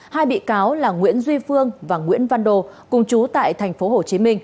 hai bị cáo là nguyễn duy phương và nguyễn văn đô cùng chú tại tp hcm